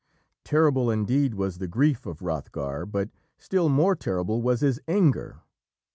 Terrible indeed was the grief of Hrothgar, but still more terrible was his anger.